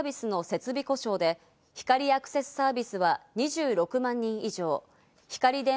原因はフレッツサービスの設備故障で、光アクセスサービスは２６万人以上。